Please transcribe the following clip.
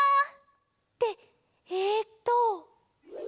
ってえっと。